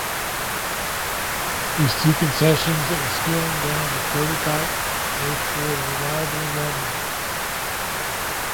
These two concessions in scaling down the prototype make for reliable running.